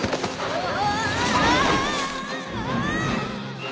うわ！